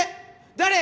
誰！？